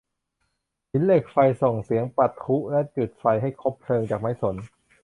หินเหล็กไฟส่งเสียงปะทุและจุดไฟให้คบเพลิงจากไม้สน